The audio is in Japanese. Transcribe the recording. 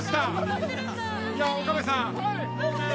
岡部さん。